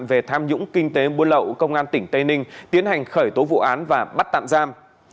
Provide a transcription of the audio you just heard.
về tham nhũng kinh tế buôn lậu công an tỉnh tây ninh tiến hành khởi tố vụ án và bắt tạm giam